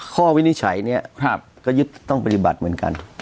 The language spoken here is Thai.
วินิจฉัยเนี่ยก็ยึดต้องปฏิบัติเหมือนกัน